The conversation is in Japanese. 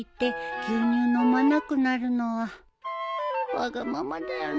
わがままだよね。